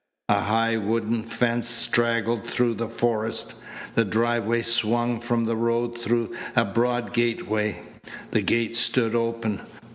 A high wooden fence straggled through the forest. The driveway swung from the road through a broad gateway. The gate stood open.